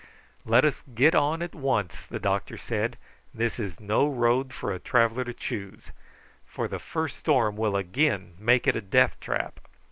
"Let us get on at once," the doctor said; "this is no road for a traveller to choose, for the first storm will again make it a death trap."